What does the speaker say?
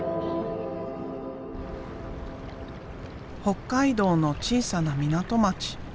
北海道の小さな港町。